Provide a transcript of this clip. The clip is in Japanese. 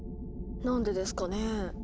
何でですかね？